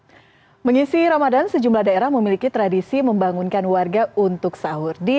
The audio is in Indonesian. hai mengisi ramadan sejumlah daerah memiliki tradisi membangunkan warga untuk sahur di